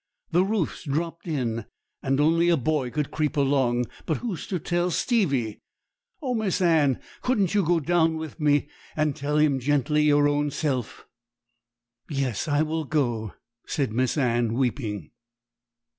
The roof's dropped in, and only a boy could creep along. But who's to tell Stevie? Oh, Miss Anne, couldn't you go down with me, and tell him gently your own self?' 'Yes, I will go,' said Miss Anne, weeping.